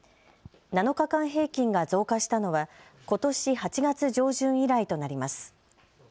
７日間平均が増加したのはことし８月上旬以来となります。